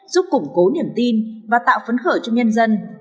giúp củng cố niềm tin và tạo phấn khởi cho nhân dân